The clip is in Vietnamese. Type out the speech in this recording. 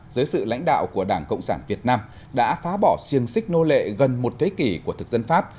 dưới sự lãnh đạo của đảng cộng sản việt nam đã phá bỏ siêng xích nô lệ gần một thế kỷ của thực dân pháp